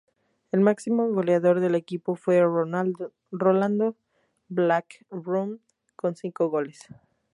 El máximo goleador del equipo fue Rolando Blackburn con cinco goles.